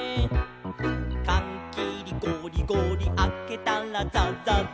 「かんきりゴリゴリあけたらザザザ」